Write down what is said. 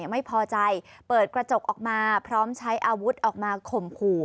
ไม่พอใจเปิดกระจกออกมาพร้อมใช้อาวุธออกมาข่มขู่